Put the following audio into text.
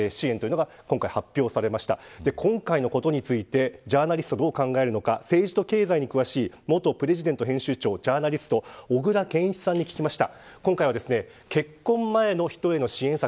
今回のことについてジャーナリストがどう考えるのか政治と経済に詳しい元プレジデント編集長でジャーナリストの小倉健一さんに聞きました。